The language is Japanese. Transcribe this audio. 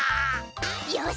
よし！